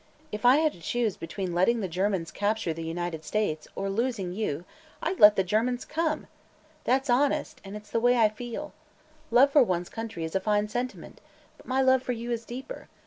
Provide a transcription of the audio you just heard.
If I had to choose between letting the Germans capture the United States, or losing you, I'd let the Germans come! That's honest, and it's the way I feel. Love for one's country is a fine sentiment, but my love for you is deeper.